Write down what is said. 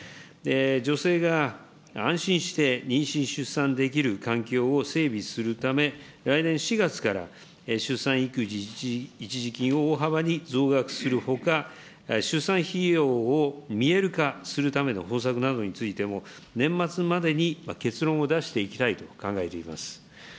女性が安心して妊娠、出産できる環境を整備するため、来年４月から出産育児一時金を大幅に増額するほか、出産費用を見える化するための方策などについても、年末までに結論を出していきたいと考えています。